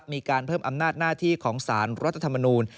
มีการเพิ่มอำนาจหน้าที่ของสารรัฐธรรมนูล